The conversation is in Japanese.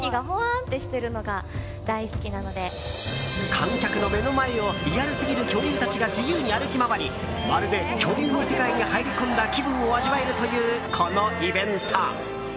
観客の目の前をリアルすぎる恐竜たちが自由に歩き回りまるで恐竜の世界に入り込んだ気分を味わえるというこのイベント。